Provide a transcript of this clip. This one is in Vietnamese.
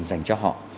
dành cho họ